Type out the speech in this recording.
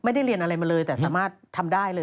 ไม่ได้เรียนอะไรมาเลยแต่สามารถทำได้เลย